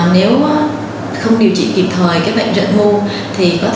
nếu không điều trị kịp thời bệnh rận mưu